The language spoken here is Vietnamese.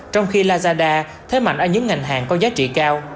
trong khi lazada thế mạnh ở những ngành hàng có giá trị cao